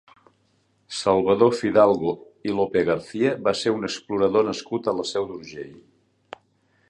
Salvador Fidalgo i Lopegarcía va ser un explorador nascut a la Seu d'Urgell.